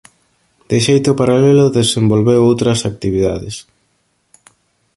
De xeito paralelo desenvolveu outras actividades.